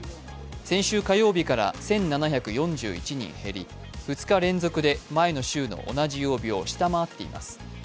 先週火曜日から１７４１人減り、２日連続で前の週の同じ曜日を下回っています。